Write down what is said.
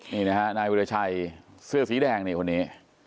นี่นะฮะนายวิราชัยเสื้อสีแดงนี่คนนี้